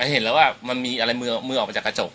เห็นแล้วว่ามันมีอะไรมือออกมาจากกระจก